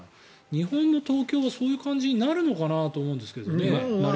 日本の東京はそういう感じになるのかなと思うんですけどね。